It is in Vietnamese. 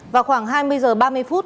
vào khoảng hai mươi h ba mươi phút